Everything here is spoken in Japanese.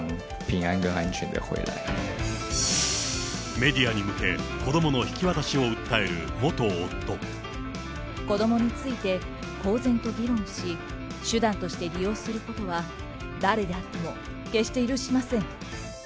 メディアに向け、子どもについて公然と議論し、手段として利用することは誰であっても決して許しません。